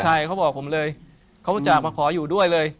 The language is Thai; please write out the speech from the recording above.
ใช่เขาบอกผมเลยเขารู้จักมาขออยู่ด้วยเลย